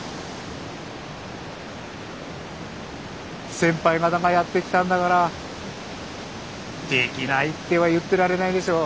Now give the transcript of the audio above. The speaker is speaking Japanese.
先輩方がやってきたんだからできないっては言ってられないでしょう。